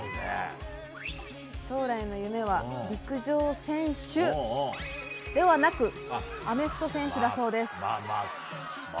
将来の夢は陸上選手ではなくアメフト選手だそうです。